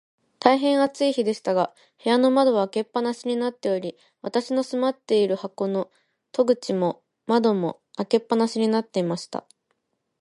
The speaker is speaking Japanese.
大へん暑い日でしたが、部屋の窓は開け放しになっており、私の住まっている箱の戸口も窓も、開け放しになっていました。